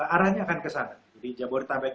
arahnya akan ke sana di jabodetabek